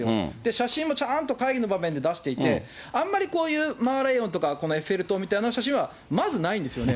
写真もちゃんと会議の場面で出していて、あんまりこういうマーライオンとか、このエッフェル塔みたいな写真はまずないんですよね。